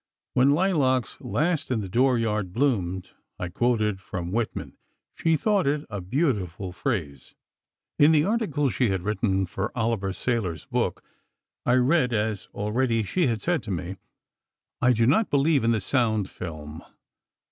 "When lilacs last in the dooryard bloomed," I quoted from Whitman. She thought it a beautiful phrase. In the article she had written for Oliver Sayler's book, I read—as already she had said to me: I do not believe in the sound film.